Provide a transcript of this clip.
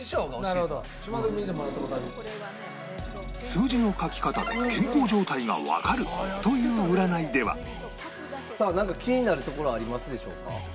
数字の書き方で健康状態がわかるという占いではなんか気になるところありますでしょうか？